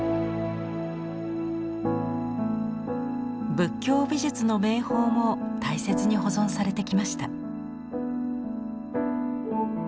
仏教美術の名宝も大切に保存されてきました。